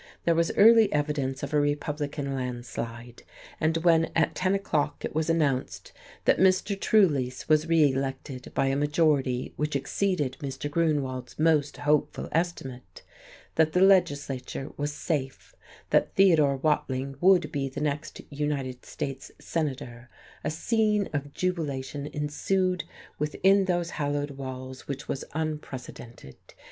There was early evidence of a Republican land slide. And when, at ten o'clock, it was announced that Mr. Trulease was re elected by a majority which exceeded Mr. Grunewald's most hopeful estimate, that the legislature was "safe," that Theodore Watling would be the next United States Senator, a scene of jubilation ensued within those hallowed walls which was unprecedented.